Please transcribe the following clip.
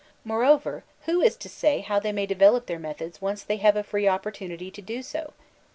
Moreover, who is to say how they may develop their methods once they have a free opportunity to do so?